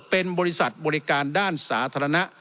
เป็นบริษัทบริการด้านสาธารณะ